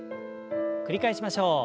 繰り返しましょう。